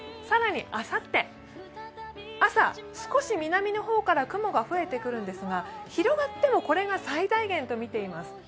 更にあさって、朝、少し南の方から雲が増えてくるんですが広がってもこれが最大限とみています。